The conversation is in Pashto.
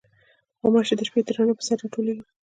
غوماشې د شپې د رڼا پر سر راټولېږي.